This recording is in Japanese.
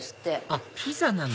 あっピザなの？